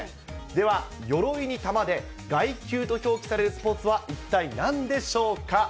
では鎧に球で鎧球と表記されるスポーツは一体、なんでしょうか？